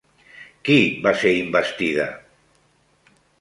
Qui va ser investida?